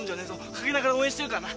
陰ながら応援してるからな。